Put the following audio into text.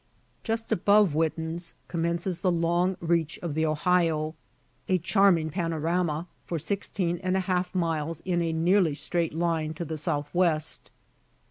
Just above Witten's commences the Long Reach of the Ohio a charming panorama, for sixteen and a half miles in a nearly straight line to the southwest.